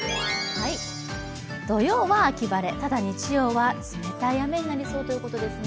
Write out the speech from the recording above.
土曜は秋晴れ、ただ日曜は冷たい雨になりそうということですね。